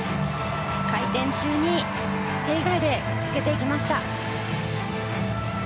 回転中に手以外で受けていきました。